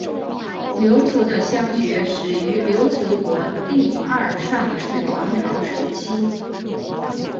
琉球的乡学始于琉球国第二尚氏王朝时期。